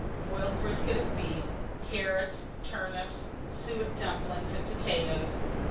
Boiled brisket of beef, carrots, turnips, suet dumplings, and potatoes.